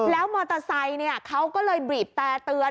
แล้วมอเตอร์ไซด์เนี้ยเค้าก็เลยบลีบแพรลเตือน